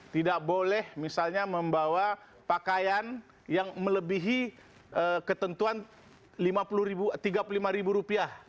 tidak boleh misalnya membawa pakaian yang melebihi ketentuan rp tiga puluh lima ribu rupiah